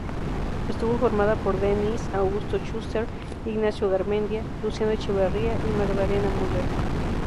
Estuvo formada por D-Niss, Augusto Schuster, Ignacio Garmendia, Luciana Echeverría, y Magdalena Müller.